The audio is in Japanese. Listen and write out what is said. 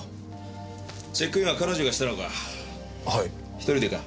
１人でか？